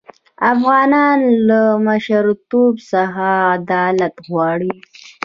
افغانان له مشرتوب څخه عدالت غواړي.